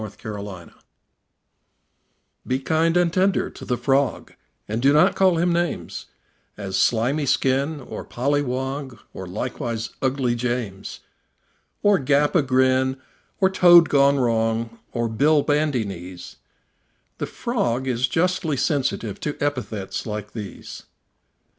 The Frog Be kind and tender to the Frog, And do not call him names, As "Slimy skin," or "Polly wog," Or likewise "Ugly James," Or "Gap a grin," or "Toad gone wrong," Or "Bill Bandy knees": The Frog is justly sensitive To epithets like these.